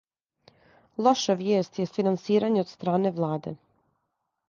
Лоша вијест је финансирање од стране владе.